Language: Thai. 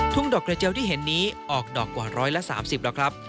ทุ่งดอกระเจียวที่เห็นนี้ออกดอกกว่าร้อยละสามสิบแล้วครับ